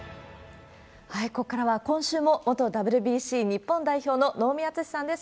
ここからは、今週も、元ＷＢＣ日本代表の能見篤史さんです。